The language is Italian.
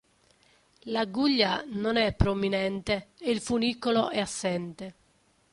La guglia non è prominente e il funicolo è assente.